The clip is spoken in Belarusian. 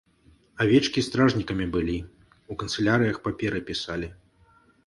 Авечкі стражнікамі былі, у канцылярыях паперы пісалі.